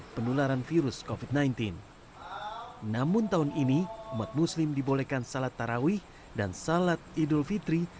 penularan virus kofit sembilan belas namun tahun ini umat muslim dibolehkan salat tarawih dan salat idul fitri